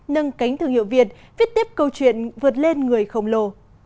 nâng cánh thương hiệu việt viết tiếp câu chuyện vượt lên người khổng lồ